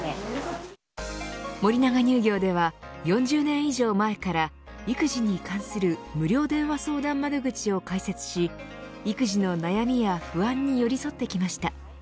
森永乳業では４０年以上前から育児に関する無料電話相談窓口を開設し育児の悩みや不安に寄り添ってきました。